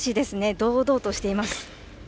堂々としています。